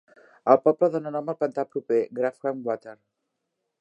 El poble dóna nom al pantà proper, Grafham Water.